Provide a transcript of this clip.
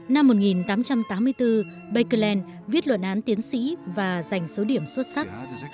năm một nghìn tám trăm tám mươi bốn bạc kỳ lên viết luận án tiến sĩ và giành số điểm xuất sắc